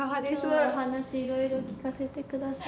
今日はお話いろいろ聞かせてください。